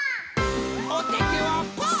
おててはパー！